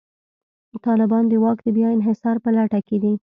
طالبان د واک د بیا انحصار په لټه کې دي.